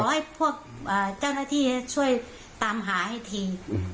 ให้พวกเจ้าหน้าที่ช่วยตามหาให้ที